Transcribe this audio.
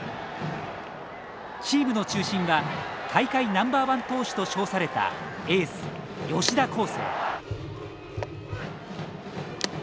チームの中心は大会ナンバーワン投手と称されたエース吉田輝星。